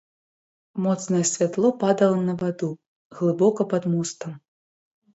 Моцнае святло падала на ваду, глыбока пад мостам.